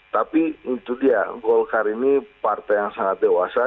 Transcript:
tapi itu dia golkar ini partai yang sangat dewasa